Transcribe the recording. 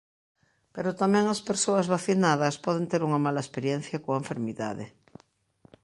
Pero tamén as persoas vacinadas poden ter unha mala experiencia coa enfermidade.